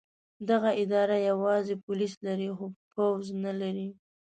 دغه اداره یوازې پولیس لري خو پوځ نه لري.